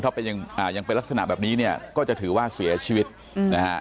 ถ้ายังเป็นลักษณะแบบนี้เนี่ยก็จะถือว่าเสียชีวิตนะฮะ